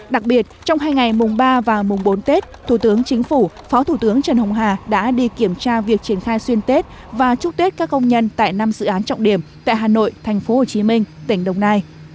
đặc biệt trong hai ngày mùng ba và mùng bốn tết thủ tướng chính phủ phó thủ tướng trần hồng hà đã đi kiểm tra việc triển khai xuyên tết và chúc tết các công nhân tại năm dự án trọng điểm tại hà nội tp hcm tỉnh đồng nai